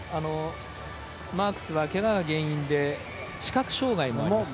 マークスは、けがが原因で視覚障がいもあります。